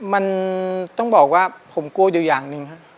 มันต้องบอกว่าผมกลัวเดียวอย่างหนึ่ง